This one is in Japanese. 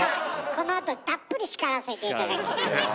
このあとにたっぷり叱らせて頂きます。